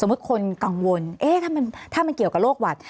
สมมุติคนกังวลแล้วถ้ามันเกี่ยวกับโรคหวัด